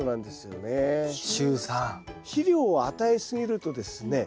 肥料を与えすぎるとですね